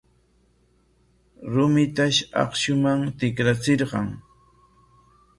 Rumitash akshuman tikrachirqan.